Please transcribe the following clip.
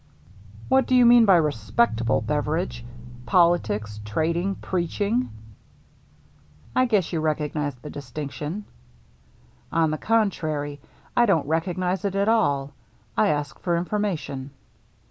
"What do you mean by * respectable,* Beveridge, — politics, trading, preaching ?"" I guess you recognize the distinction." " On the contrary, I don't recognize it at all. I asked for information."